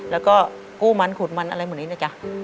แล้วก็กู้มันขูดมันอะไรหมดนี้นะจ๊ะ